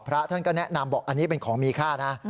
พระท่านก็แนะนำบอกอันนี้เป็นของมีค่านะ